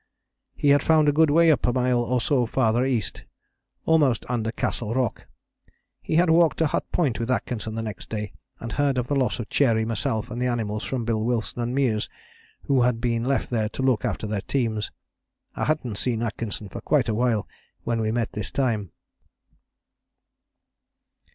He had found a good way up a mile or so farther east, almost under Castle Rock. He had walked to Hut Point with Atkinson the next day and heard of the loss of Cherry, myself and the animals from Bill Wilson and Meares who had been left there to look after their teams. I hadn't seen Atkinson for quite a while when we met this time.